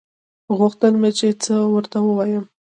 غوښتل مې چې څه ورته ووايم.